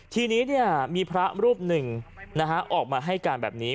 ทีนี้มีพระรูปหนึ่งออกมาให้การแบบนี้